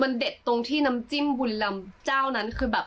มันเด็ดตรงที่น้ำจิ้มบุญลำเจ้านั้นคือแบบ